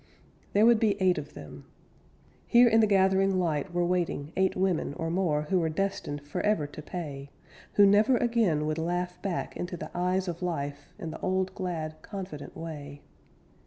There would be eight of them. Here in the gathering light Were waiting eight women or more Who were destined forever to pay, Who never again would laugh back Into the eyes of life In the old glad, confident way.